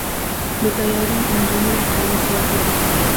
د طیارې انجنونه قوي ځواک لري.